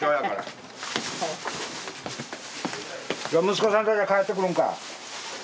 息子さんたちは帰ってくるんか？